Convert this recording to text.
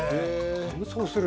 乾燥する？